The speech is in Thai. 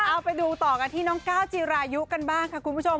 เอาไปดูต่อกันที่น้องก้าวจีรายุกันบ้างค่ะคุณผู้ชม